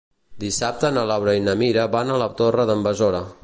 Dissabte na Laura i na Mira van a la Torre d'en Besora.